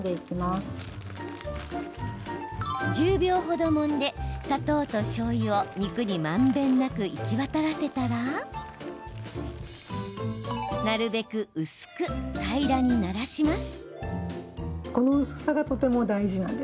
１０秒程もんで砂糖としょうゆを肉にまんべんなく行き渡らせたらなるべく薄く平らにならします。